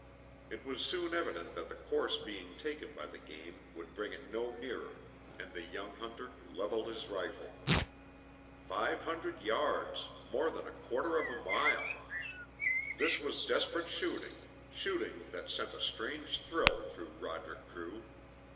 It was soon evident that the course being taken by the game would bring it no nearer, and the young hunter leveled his rifle. Five hundred yards, more than a quarter of a mile! This was desperate shooting, shooting that sent a strange thrill through Roderick Drew.